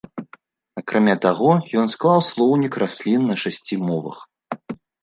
Акрамя таго, ён склаў слоўнік раслін на шасці мовах.